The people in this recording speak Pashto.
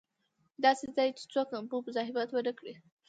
داسې ځای چې څوک مو مزاحمت و نه کړي.